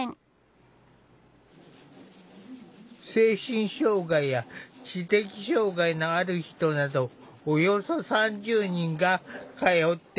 精神障害や知的障害のある人などおよそ３０人が通っている。